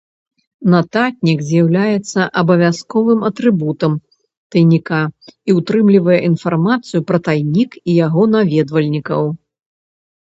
Нататнік з'яўляецца абавязковым атрыбутам тайніка і ўтрымлівае інфармацыю пра тайнік і яго наведвальнікаў.